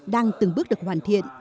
đang từng bước được hoàn thiện